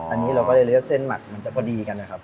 อันนี้เราก็จะเลือกเส้นหมักมันจะพอดีกันนะครับ